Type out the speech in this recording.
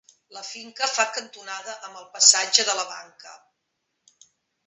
La finca fa cantonada amb el passatge de la Banca.